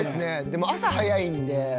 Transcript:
でも朝早いんで。